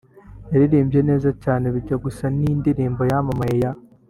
yaririmbye neza cyane bijya gusa n’indirimbo yamamaye ya